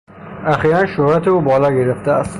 اخیرا شهرت او بالا گرفته است.